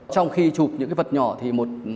trong khi chụp những cái vật nhỏ thì một